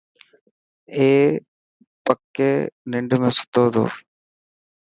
اي پڪي ننڊ ۾ ستو تو.